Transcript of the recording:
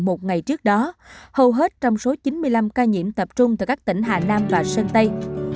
một ngày trước đó hầu hết trong số chín mươi năm ca nhiễm tập trung tại các tỉnh hà nam và sơn tây